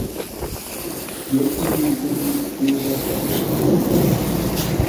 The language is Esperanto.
Je tiuj oni uzas plurajn variantojn.